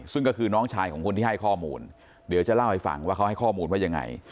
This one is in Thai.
ซึ่งก็คือน้องชายของคนที่ให้ข้อมูลเดี๋ยวจะเล่าให้ฟังว่าเขาให้ข้อมูลว่ายังไง